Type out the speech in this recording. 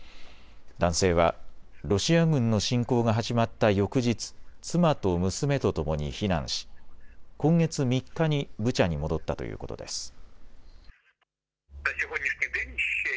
男性はロシア軍の侵攻が始まった翌日、妻と娘とともに避難し今月３日にブチャに戻ったということです。